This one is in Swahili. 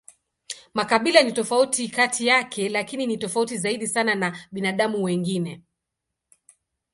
Makabila ni tofauti kati yake, lakini ni tofauti zaidi sana na binadamu wengine.